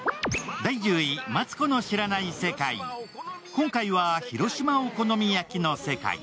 今回は広島お好み焼きの世界。